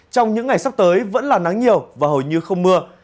trong những ngày sắp tới vẫn là nắng nhiều và hầu như không mưa